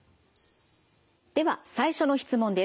では最初の質問です。